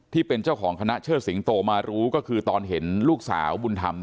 ที่เป็นเจ้าของคณะเชิดสิงโตมารู้ก็คือตอนเห็นลูกสาวบุญธรรม